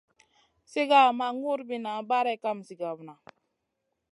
Sigar ma ŋurbiya barey kam zigèwna.